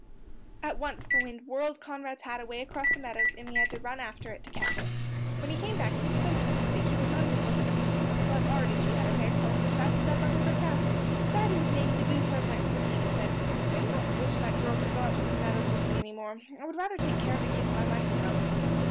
At once the wind whirled Conrad's hat away across the meadows, and he had to run after it to catch it. When he came back he was so sulky that he would not even look at the Princess, but already she had her hair combed and fastened up under her cap. That evening the goose herd went to the King and said, "I do not wish that girl to go out to the meadows with me any more. I would rather take care of the geese by myself."